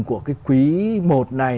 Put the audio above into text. của cái quý một này